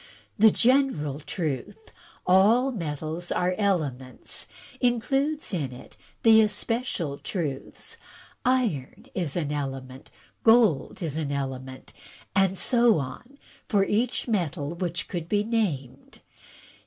The general truth, *A11 metals are elements,' includes in it the especial truths, *Iron is an element,' *Gold is an Element,' and so on for each metal which could be named.